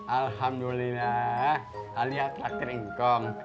alhamdulillah alia traktir ngkong